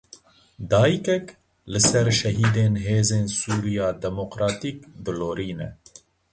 Dayikek li ser şehîdên Hêzên Sûriya Demokratîk dilorîne.